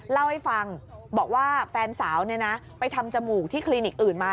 เล่าให้ฟังบอกว่าแฟนสาวไปทำจมูกที่คลินิกอื่นมา